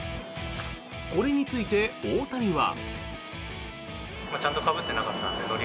これについて、大谷は。